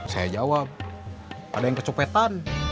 saya jawab ada yang kecopetan